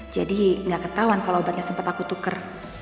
jadi gak ketahuan kalau obatnya sempat aku tuker